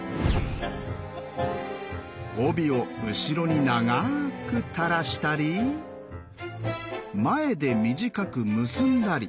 帯を後ろにながく垂らしたり前で短く結んだり。